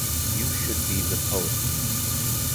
You should be the poet.